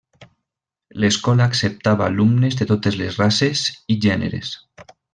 L'escola acceptava alumnes de totes les races i gèneres.